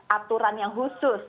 aturan yang khusus